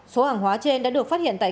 số hàng hóa trên đã được phát hiện tại